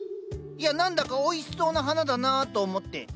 いや何だかおいしそうな花だなあと思って。